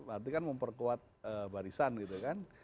berarti kan memperkuat barisan gitu kan